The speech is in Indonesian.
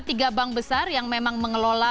tiga bank besar yang memang mengelola